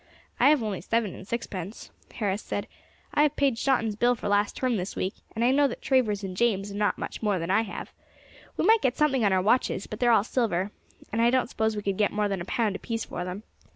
"I have only seven and sixpence," Harris said. "I have paid Shotten's bill for last term this week, and I know that Travers and James have not much more than I have. We might get something on our watches; but they are all silver, and I don't suppose we could get more than a pound apiece for them.